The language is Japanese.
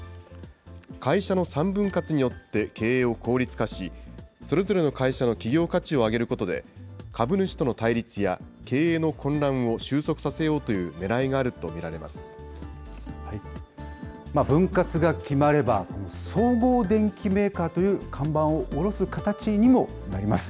会社の３分割によって経営を効率化し、それぞれの会社の企業価値を上げることで、株主との対立や経営の混乱を収束させようというねらいがあると見分割が決まれば、総合電機メーカーという看板を下ろす形にもなります。